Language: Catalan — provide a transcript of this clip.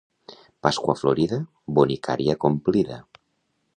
Pasqua Florida, bonicària complida.